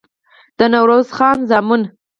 د نوروز خان زامن